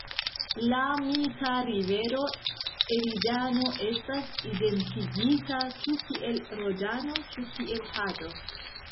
La mita rivero Eridano estas identigita ĉu kiel Rodano, ĉu kiel Pado.